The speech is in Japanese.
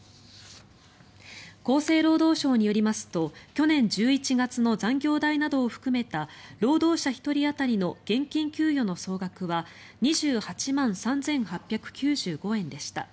厚生労働省によりますと去年１１月の残業代などを含めた労働者１人当たりの現金給与の総額は２８万３８９５円でした。